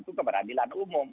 itu ke peradilan umum